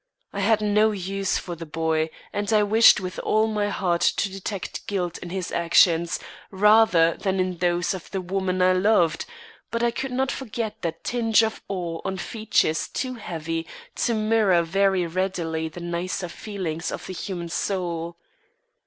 I had no use for the boy, and I wished with all my heart to detect guilt in his actions, rather than in those of the woman I loved; but I could not forget that tinge of awe on features too heavy to mirror very readily the nicer feelings of the human soul.